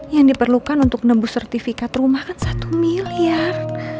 yang diperlukan untuk menembus sertifikat rumah kan satu miliar